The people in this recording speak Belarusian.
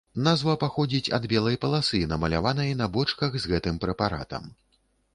Назва паходзіць ад белай паласы, намаляванай на бочках з гэтым прэпаратам.